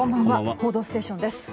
「報道ステーション」です。